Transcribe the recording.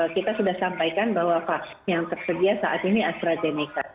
kita sudah sampaikan bahwa vaksin yang tersedia saat ini astrazeneca